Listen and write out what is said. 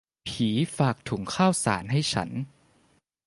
ผีฝากถุงข้าวสารให้ฉัน